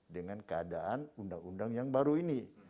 dengan keadaan undang undang yang baru ini